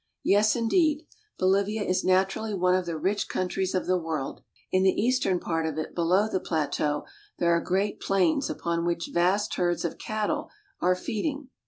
Yes, indeed; Bolivia is naturally one of the rich countries of the world. In the eastern part of it, below the plateau, there are great plains upon which vast herds of cattle are feeding.